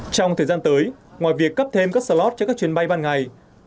trong thời gian tới ngoài việc cấp thêm các slot cho các chuyến bay ban ngày